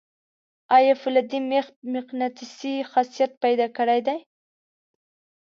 آیا فولادي میخ مقناطیسي خاصیت پیدا کړی دی؟